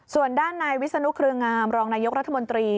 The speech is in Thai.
ส่วนด้านนายวิศนุเครืองามรองนายกรัฐมนตรี